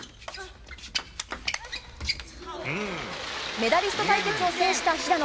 メダリスト対決を制した平野。